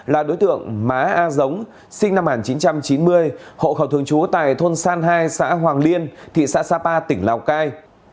là đối tượng má a giống sinh năm một nghìn chín trăm chín mươi hộ khẩu thường trú tại thôn san hai xã hoàng liên thị xã sapa tỉnh lào cai